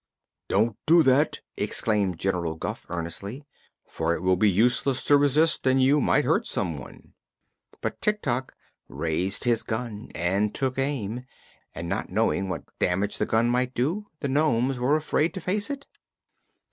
"Don't do that!" exclaimed General Guph, earnestly, "for it will be useless to resist and you might hurt some one." But Tik Tok raised his gun and took aim and not knowing what damage the gun might do the nomes were afraid to face it.